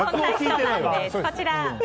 こちら。